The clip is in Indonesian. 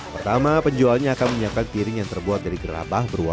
pertama penjualnya akan menyiapkan piring yang terbuat dari gerabah berwarna